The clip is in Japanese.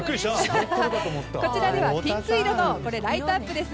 こちらではピンク色のライトアップです。